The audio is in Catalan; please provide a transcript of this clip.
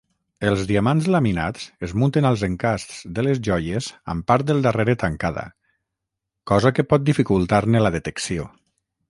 Els diamants laminats es munten als encasts de les joies amb part del darrere tancada, cosa que pot dificultar-ne la detecció.